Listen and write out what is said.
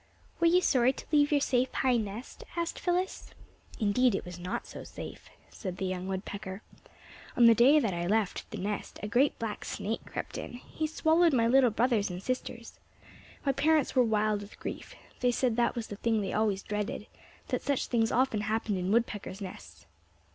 "Were you sorry to leave your safe high nest?" asked Phyllis. "Indeed it was not so safe," said the young woodpecker. "On the day that I left the nest a great black snake crept in. He swallowed my little brothers and sisters. "My parents were wild with grief. They said that was the thing they always dreaded, that such things often happened in woodpeckers' nests."